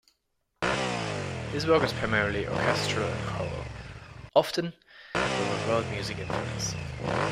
His work is primarily orchestral and choral, often with a world music influence.